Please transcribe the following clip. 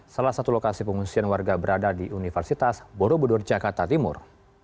salah satu lokasi pengungsian warga berada di universitas borobudur jakarta timur